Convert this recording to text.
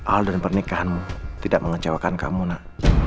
al dan pernikahanmu tidak mengecewakan kamu nak